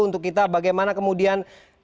untuk kita bagaimana kemudian